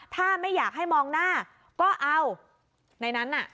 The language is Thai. ถ้าไม่อยากให้มองหน้าก็เอา